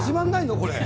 これ。